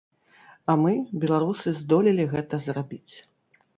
А мы, беларусы здолелі гэта зрабіць.